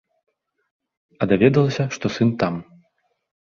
А даведалася, што сын там.